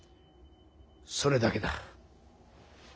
それだけだ。